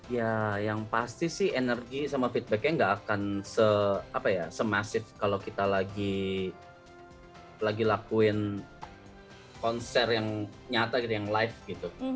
ya yang pasti sih energi sama feedbacknya enggak akan se apa ya se massive kalau kita lagi lakuin konser yang nyata gitu yang live gitu